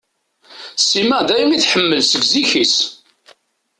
Sima daya i tḥemmel seg zik-is.